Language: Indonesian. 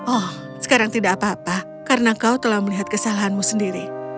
oh sekarang tidak apa apa karena kau telah melihat kesalahanmu sendiri